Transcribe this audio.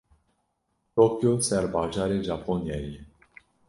Tokyo serbajarê Japonyayê ye.